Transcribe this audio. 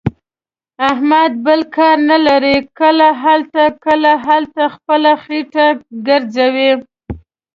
احمد بل کار نه لري. کله هلته، کله هلته، خپله خېټه ګرځوي.